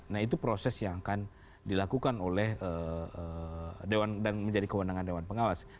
nah itu proses yang akan dilakukan oleh dewan dan menjadi kewenangan dewan pengawas